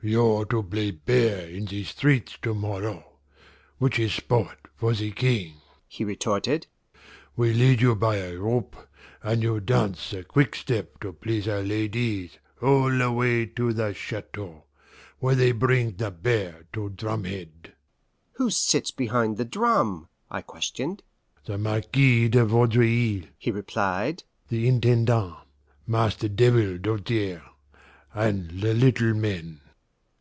"You're to play bear in the streets to morrow which is sport for the King," he retorted; "we lead you by a rope, and you dance the quickstep to please our ladies all the way to the Chateau, where they bring the bear to drum head." "Who sits behind the drum?" I questioned. "The Marquis de Vaudreuil," he replied, "the Intendant, Master Devil Doltaire, and the little men."